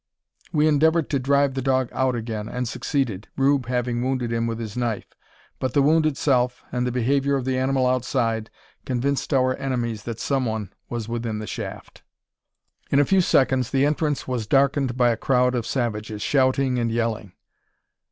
We endeavoured to drive the dog out again, and succeeded, Rube having wounded him with his knife; but the wound itself, and the behaviour of the animal outside, convinced our enemies that someone was within the shaft. In a few seconds the entrance was darkened by a crowd of savages, shouting and yelling.